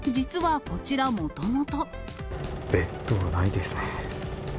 ベッドがないですね。